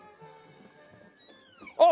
あっ！